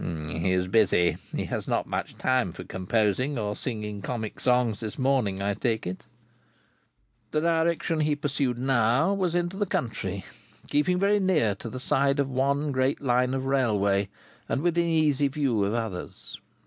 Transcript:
"He is busy. He has not much time for composing or singing Comic Songs this morning, I take it." The direction he pursued now, was into the country, keeping very near to the side of one great Line of railway, and within easy view of others.